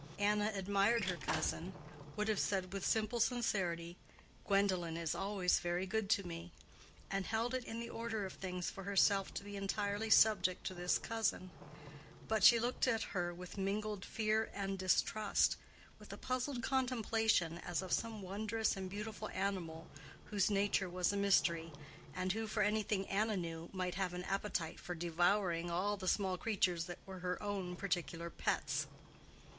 Anna admired her cousin—would have said with simple sincerity, "Gwendolen is always very good to me," and held it in the order of things for herself to be entirely subject to this cousin; but she looked at her with mingled fear and distrust, with a puzzled contemplation as of some wondrous and beautiful animal whose nature was a mystery, and who, for anything Anna knew, might have an appetite for devouring all the small creatures that were her own particular pets.